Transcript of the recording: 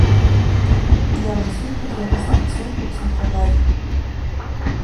Il a reçu plusieurs distinctions pour son travail.